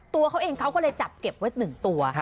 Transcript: ตัวเขาเองเขาก็เลยจับเก็บไว้๑ตัว